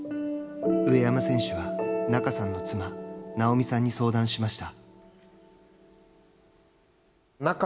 上山選手は、仲さんの妻奈生美さんに相談しました。